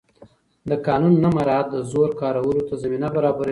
د قانون نه مراعت د زور کارولو ته زمینه برابروي